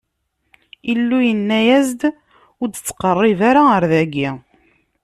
Illu yenna-as-d: Ur d-ttqerrib ara ɣer dagi!